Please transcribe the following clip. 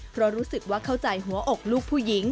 เพราะรู้สึกว่าเข้าใจหัวอกลูกผู้หญิง